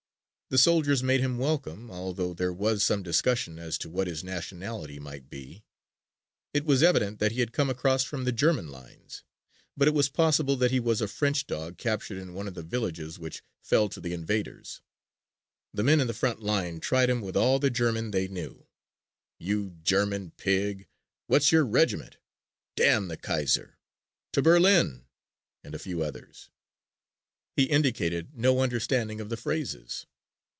The soldiers made him welcome although there was some discussion as to what his nationality might be. It was evident that he had come across from the German lines, but it was possible that he was a French dog captured in one of the villages which fell to the invaders. The men in the front line tried him with all the German they knew "You German pig," "what's your regiment?" "damn the Kaiser," "to Berlin," and a few others. He indicated no understanding of the phrases.